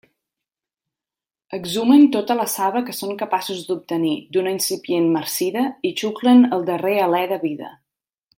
Exhumen tota la saba que són capaços d'obtenir d'una incipient marcida i xuclen el darrer alé de vida.